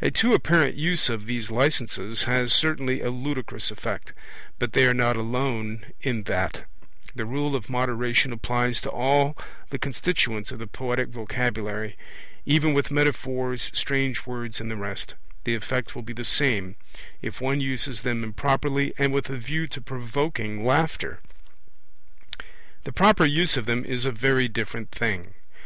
A too apparent use of these licences has certainly a ludicrous effect, but they are not alone in that; the rule of moderation applies to all the constituents of the poetic vocabulary; even with metaphors, strange words, and the rest, the effect will be the same, if one uses them improperly and with a view to provoking laughter. The proper use of them is a very different thing.